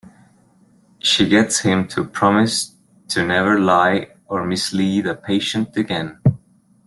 She gets him to promise to never lie or mislead a patient again.